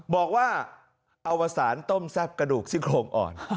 บอกว่าอวสารต้มแซ่บกระดูกซี่โครงอ่อน